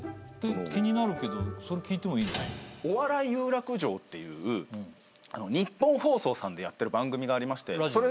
『お笑い有楽城』っていうニッポン放送さんでやってる番組がありまして。